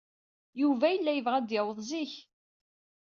Yuba yella yebɣa ad yaweḍ zik.